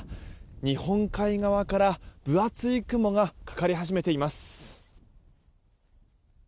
日本海側から分厚い雲がかかり始めています。